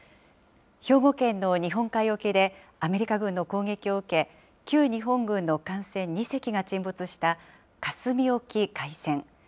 兵庫県の日本海沖で、アメリカ軍の攻撃を受け、旧日本軍の艦船２隻が沈没した、香住沖海戦。